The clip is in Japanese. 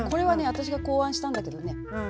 私が考案したんだけどね